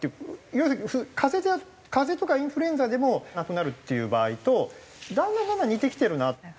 要するに風邪とかインフルエンザでも亡くなるっていう場合とだんだんだんだん似てきてるな。